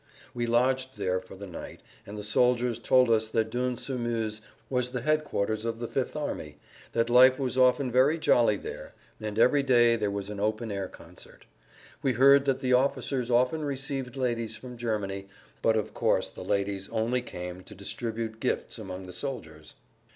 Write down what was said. We lodged there for the night, and the soldiers told us that Dun sur Meuse was the headquarters of the Fifth Army, that life was often very jolly there, and every day there was an open air concert. We heard that the officers often received ladies from Germany, but, of course, the ladies only came to distribute gifts among the soldiers.